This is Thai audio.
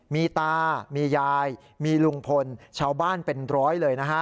มีตามียายมีลุงพลชาวบ้านเป็นร้อยเลยนะฮะ